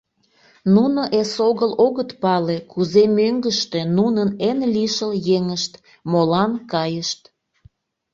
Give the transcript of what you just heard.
Нуно эсогыл огыт пале, кузе мӧҥгыштӧ нунын эн лишыл еҥышт «Молан кайышт?